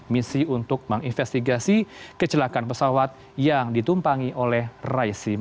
misi untuk menginvestigasi kecelakaan pesawat yang ditumpangi oleh raisim